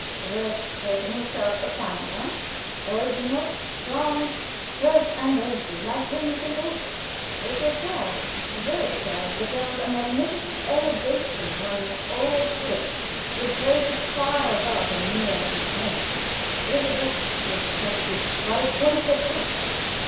The work was in itself a fine one; original, strong, terse and racy, like him who had composed it. It was sad, very sad, but there was a magnificent elevation running all through it which raised it far above a mere complaint, gave a depth to its tragedy while it pointed at hope.